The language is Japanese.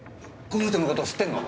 この人の事知ってんの？